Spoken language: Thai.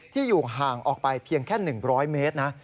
อยู่ห่างออกไปเพียงแค่๑๐๐เมตรนะ